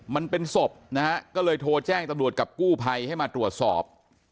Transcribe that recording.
มันเป็นศพนะฮะก็เลยโทรแจ้งตำรวจกับกู้ภัยให้มาตรวจสอบ